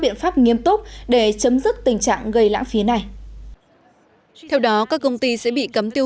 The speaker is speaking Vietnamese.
biện pháp nghiêm túc để chấm dứt tình trạng gây lãng phí này theo đó các công ty sẽ bị cấm tiêu